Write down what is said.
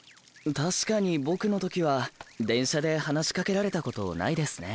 確かに僕の時は電車で話しかけられたことないですね。